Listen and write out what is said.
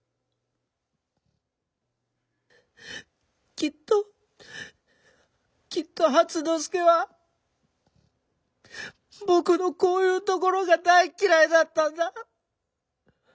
きっときっと初之助は僕のこういうところが大嫌いだったんだ。